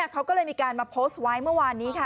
เขาก็เลยมีการมาโพสต์ไว้เมื่อวานนี้ค่ะ